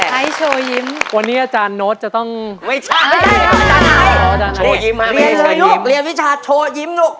ให้โชว์ยิ้มวันนี้อาจารย์โน้ตจะต้องไม่ใช่โชว์ยิ้มเรียนเลยลูกเรียนวิชาโชว์ยิ้มลูก